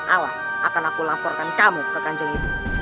awas akan aku laporkan kamu ke kanjeng itu